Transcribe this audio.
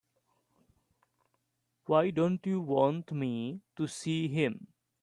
Why don't you want me to see him?